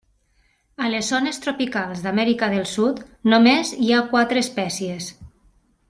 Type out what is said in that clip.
A les zones tropicals d'Amèrica del Sud només hi ha quatre espècies.